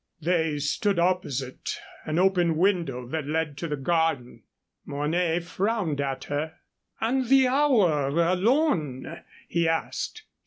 They stood opposite an open window that led to the garden. Mornay frowned at her. "And the hour alone?" he asked.